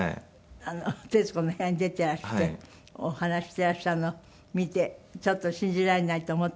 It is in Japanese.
『徹子の部屋』に出ていらしてお話ししていらっしゃるのを見てちょっと信じられないと思っている友達。